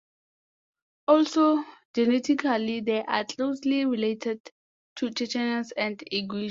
Also genetically they are closely related to Chechens and Ingush.